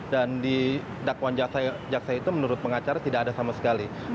di dakwaan jaksa itu menurut pengacara tidak ada sama sekali